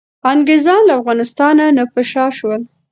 انګریزان له افغانستان نه په شا شول.